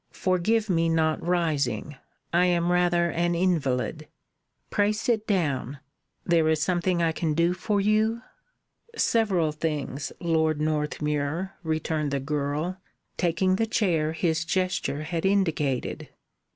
"Forgive my not rising. I am rather an invalid. Pray sit down. There is something I can do for you?" "Several things, Lord Northmuir," returned the girl, taking the chair his gesture had indicated.